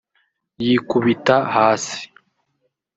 yikubita hasi